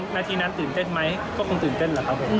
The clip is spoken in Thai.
นาทีนั้นตื่นเต้นไหมก็คงตื่นเต้นแหละครับผม